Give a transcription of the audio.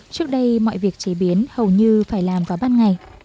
trước đây mọi việc chế biến hầu như phải làm vào ban ngày